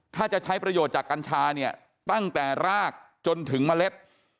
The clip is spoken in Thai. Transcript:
ถ้าจะใช้ประโยชน์จากกัญชาเนี่ยตั้งแต่รากจนถึงเมล็ด